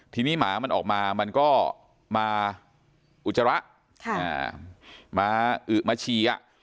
ทีนี้หมามันออกมามันก็มาอุจจาระมาอึมาเชียร์